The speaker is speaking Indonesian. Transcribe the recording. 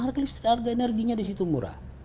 harga energinya disitu murah